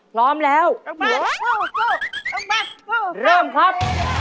คลอมแล้วเริ่มครับ